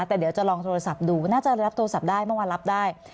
แต่เดี๋ยวจะลองโทรศัพท์ดูน่าจะรับโทรศัพท์ได้เมื่อวานรับได้